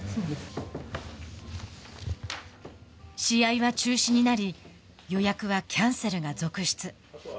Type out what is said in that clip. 試合は中止になり予約はキャンセルが続出。